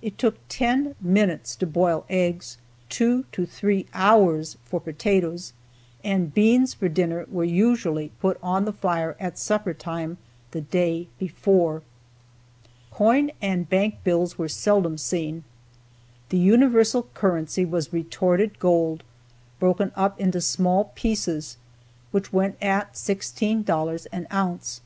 It took ten minutes to boil eggs, two to three hours for potatoes, and beans for dinner were usually put on the fire at supper time the day before. Coin and bank bills were seldom seen. The universal currency was retorted gold, broken up into small pieces, which went at $16 an ounce.